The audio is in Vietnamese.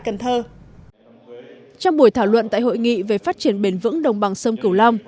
cần thơ trong buổi thảo luận tại hội nghị về phát triển bền vững đồng bằng sông cửu long